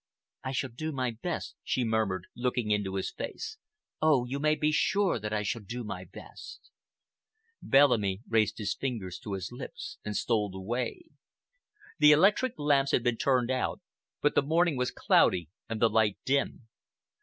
"I shall do my best," she murmured, looking into his face. "Oh, you may be sure that I shall do my best!" Bellamy raised her fingers to his lips and stole away. The electric lamps had been turned out, but the morning was cloudy and the light dim.